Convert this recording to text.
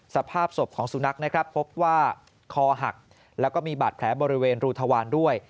สภาพศพของสุนัขนะครับพบว่าคอหักแล้วก็มีบาดแผลบริเวณรูทวารด้วย